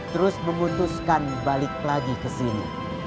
terus memutuskan balik lagi ke sini